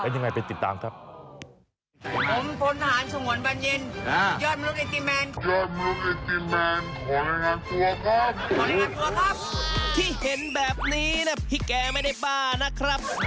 เป็นยังไงไปติดตามครับ